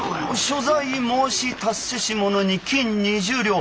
「所在申し達せし者に金２０両。